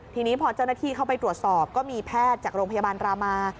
ทีนี้พอเจ้าหน้าที่เข้าไปตรวจสอบก็มีแพทย์จากโรงพยาบาลรามา